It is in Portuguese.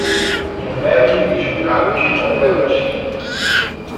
Um velho dirige um kart com um garotinho.